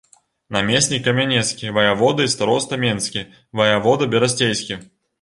Намеснік камянецкі, ваявода і староста менскі, ваявода берасцейскі.